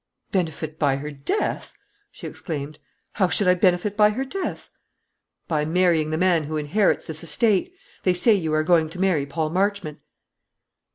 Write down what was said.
"Benefit by her death!" she exclaimed. "How should I benefit by her death?" "By marrying the man who inherits this estate. They say you are going to marry Paul Marchmont."